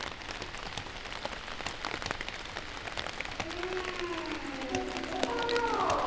うんここかな？